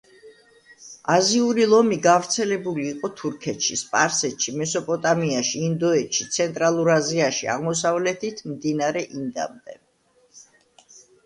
აზიური ლომი გავრცელებული იყო თურქეთში, სპარსეთში, მესოპოტამიაში, ინდოეთში, ცენტრალურ აზიაში, აღმოსავლეთით მდინარე ინდამდე.